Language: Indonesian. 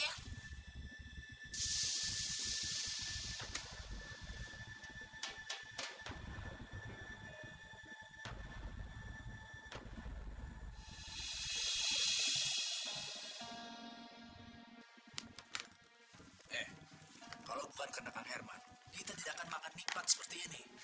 hai kalau bukan karena kan herman kita tidak akan makan nikmat seperti ini